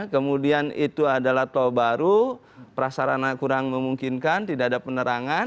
kemudian itu adalah tol baru prasarana kurang memungkinkan tidak ada penerangan